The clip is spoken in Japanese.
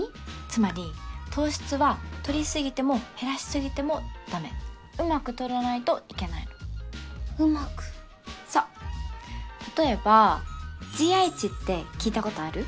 つまり糖質は取りすぎても減らしすぎてもダメうまく取らないといけないのうまくそう例えばＧＩ値って聞いたことある？